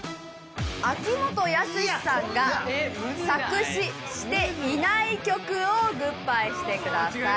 秋元康さんが作詞していない曲をグッバイしてください。